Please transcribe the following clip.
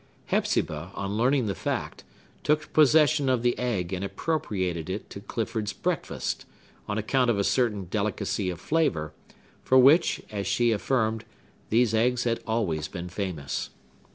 Hepzibah, on learning the fact, took possession of the egg and appropriated it to Clifford's breakfast, on account of a certain delicacy of flavor, for which, as she affirmed, these eggs had always been famous.